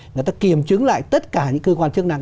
người ta kiểm chứng lại tất cả những cơ quan chức năng